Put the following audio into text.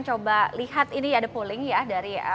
coba lihat ini ada polling ya dari